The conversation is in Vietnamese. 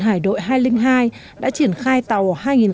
hải đội hai trăm linh hai đã triển khai tàu